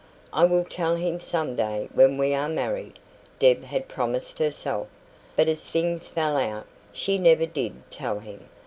"I will tell him some day when we are married," Deb had promised herself; but as things fell out, she never did tell him.